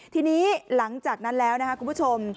ทีนี้หลังจากนั้นแล้วนะครับคุณผู้ชม